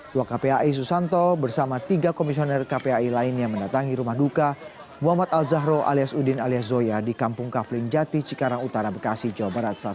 tua kpai susanto bersama tiga komisioner kpai lainnya mendatangi rumah duka muhammad al zahro alias udin alias zoya di kampung kafling jati cikarang utara bekasi jawa barat